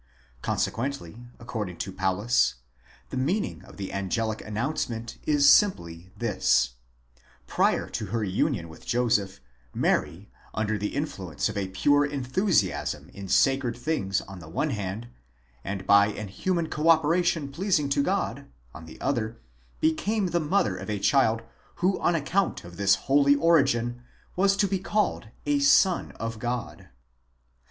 Consequently, according to Paulus, the meaning of the angelic announcement is simply this: prior to her union with Joseph, Mary, under the influence of a pure enthusiasm in sacred things on the one hand, and by an human co operation pleasing to God on the other, became the mother of a child who on account of this holy origin was to be called a son of God.